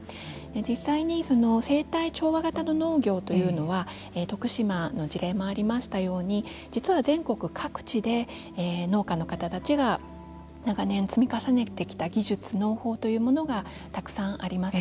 実際に生態調和型の農業というのは徳島の事例もありましたように実は、全国各地で農家の方たちが長年積み重ねてきた農法というものがたくさんあります。